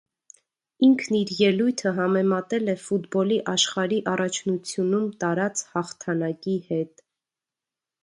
Ինքն իր ելույթը համեմատել է ֆուտբոլի աշխարհի առաջնությունում տարած հաղթանակի հետ։